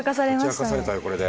解き明かされたよこれで。